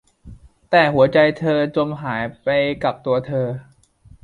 แต่หัวใจเธอจมหายไปกับตัวเธอ